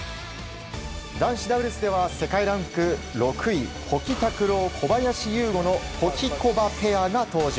男子ダブルスでは世界ランク６位保木卓朗、小林優吾のホキコバペアが登場。